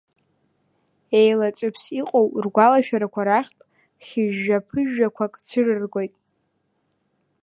Еилаҵәыԥс иҟоу ргәалашәарақәа рахьтә, хьыжәжәа-ԥыжәжәақәак цәырыргоит…